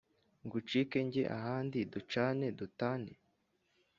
Ngucike njye ahandi Ducane dutane!